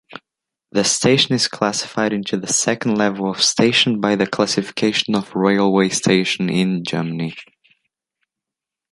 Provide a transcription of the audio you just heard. The station is classified into the second level of station by the classification of railway station in Germany.